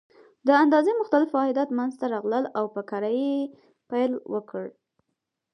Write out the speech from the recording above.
د اندازې مختلف واحدات منځته راغلل او په کار یې پیل وکړ.